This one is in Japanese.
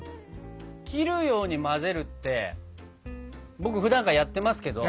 「切るように混ぜる」って僕ふだんからやってますけど。